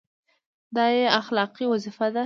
دا یې اخلاقي وظیفه ده.